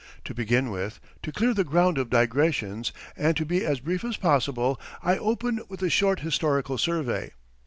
To begin with, to clear the ground of digressions and to be as brief as possible, I open with a short historical survey.